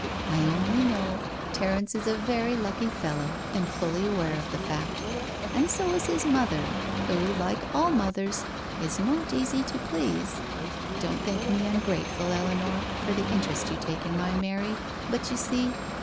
" I only know Terence is a very lucky fellow and fully aware of the fact — ^and so is his mother who, like all mothers, is not easy to please. Don't think me ungrateful, Eleanor, for the interest you take in my Mary, but you see